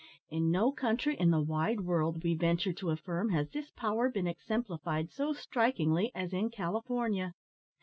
In no country in the wide world, we venture to affirm, has this power been exemplified so strikingly as in California.